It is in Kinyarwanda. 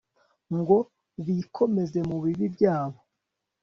ngo bikomeze mu bibi byabo